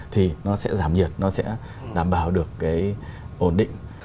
thì nó sẽ giảm nhiệt nó sẽ đảm bảo được cái ổn định